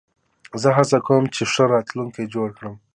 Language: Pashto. زه هڅه کوم، چي ښه راتلونکی جوړ کړم.